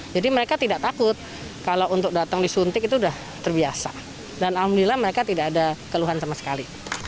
jadi mereka tidak takut kalau untuk datang disuntik itu sudah terbiasa dan alhamdulillah mereka tidak ada keluhan sama sekali